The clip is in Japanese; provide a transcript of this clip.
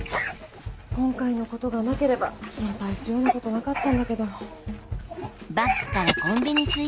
今回のことがなければ心配するようなことなかったんだけど。